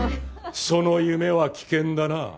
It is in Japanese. その夢は危険だな。